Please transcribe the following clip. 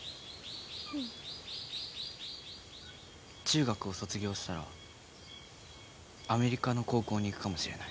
中学を卒業したらアメリカの高校に行くかもしれない。